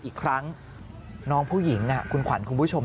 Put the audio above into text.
อีกครั้งน้องผู้หญิงคุณขวัญคุณผู้ชม